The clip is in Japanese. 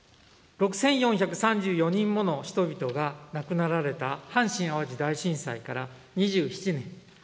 ６４３４人もの人々が亡くなられた阪神・淡路大震災から２７年。